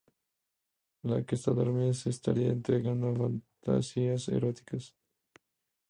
La que está dormida se estaría entregando a fantasías eróticas.